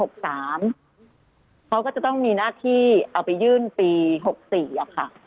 เขาก็จะต้องมีหน้าที่เอาไปยื่นปี๖๔ค่ะ